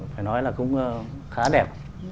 phải nói là cũng khá đẹp